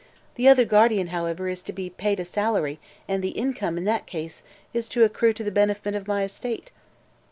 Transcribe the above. The other guardian, however, is to be paid a salary and the income, in that case, is to accrue to the benefit of my estate."